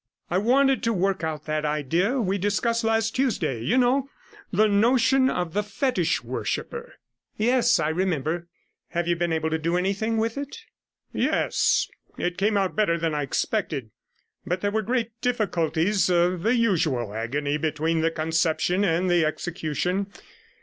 I wanted to work out that idea we discussed last Tuesday, you know, the notion of the fetish worshipper?' 'Yes, I remember. Have you been able to do anything with it?' 'Yes; it came out better than I expected; but there were great difficulties, the usual agony between the conception and the execution.